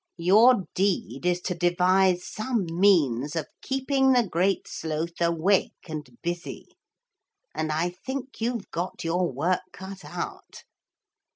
Your deed is to devise some means of keeping the Great Sloth awake and busy. And I think you've got your work cut out.